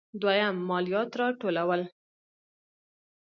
دویم: مالیات راټولول.